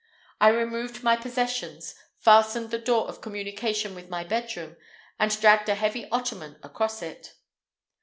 I removed my possessions, fastened the door of communication with my bedroom, and dragged a heavy ottoman across it.